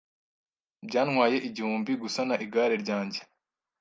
Byantwaye igihumbi gusana igare ryanjye.